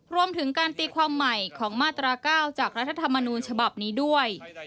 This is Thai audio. รวมถึงการตีความใหม่ของมาตรา๙จากรัฐธรรมนูญฉบับนี้ด้วย